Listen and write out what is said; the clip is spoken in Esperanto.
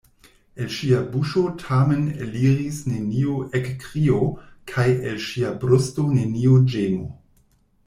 El ŝia buŝo tamen eliris neniu ekkrio kaj el ŝia brusto neniu ĝemo.